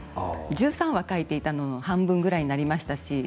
１３話、書いていたのも半分ぐらいになりましたし